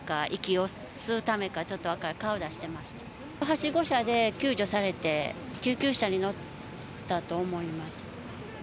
はしご車で救助されて救急車に乗ったと思います。